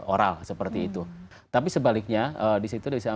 oral seperti itu tapi sebaliknya disitu